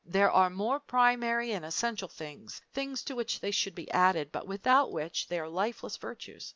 There are more primary and essential things; things to which they should be added, but without which they are lifeless virtues.